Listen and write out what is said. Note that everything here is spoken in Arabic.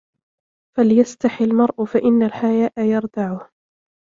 فَلِيَسْتَحِي الْمَرْءُ فَإِنَّ الْحَيَاءَ يَرْدَعُهُ